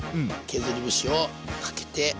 削り節をかけて。